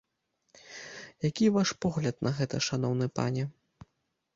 Які ваш погляд на гэта, шаноўны пане?